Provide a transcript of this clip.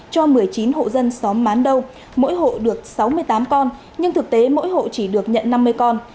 cho một mươi chín hộ dân xóm mán đâu mỗi hộ được sáu mươi tám con nhưng thực tế mỗi hộ chỉ được nhận năm mươi con